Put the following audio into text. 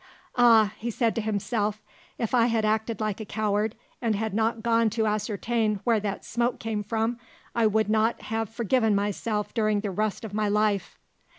"Ah," he said to himself, "if I had acted like a coward and had not gone to ascertain where that smoke came from I would not have forgiven myself during the rest of my life."